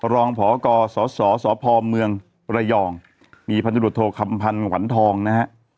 ลองพกสสพรรมีฐรทหลนะครับ